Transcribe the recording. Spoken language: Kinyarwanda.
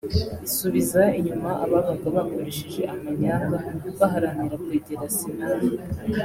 isubiza inyuma ababaga bakoresheje amanyanga baharanira kwegera Sinach